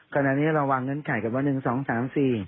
ก่อนอันนี้เราวางเงินไข่กันว่า๑๒๓๔